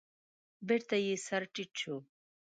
بېرته يې سر تيټ شو.